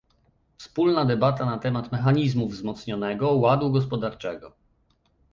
wspólna debata na temat mechanizmów wzmocnionego ładu gospodarczego,